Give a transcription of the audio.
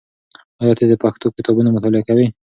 آیا ته د پښتو کتابونو مطالعه کوې؟